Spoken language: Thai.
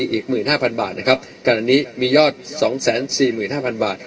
อีกหมื่นห้าพันบาทนะครับกรณีมียอดสองแสนสี่หมื่นห้าพันบาท